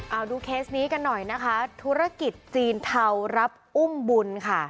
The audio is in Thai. เอาดูเคสนี้กันหน่อยนะคะธุรกิจจีนเทารับอุ้มบุญค่ะ